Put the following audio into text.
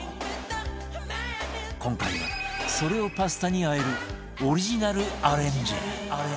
今回はそれをパスタにあえるオリジナルアレンジ